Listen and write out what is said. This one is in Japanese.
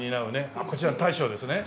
こちら大将ですね？